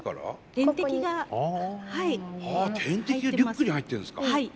点滴がリュックに入ってんですか？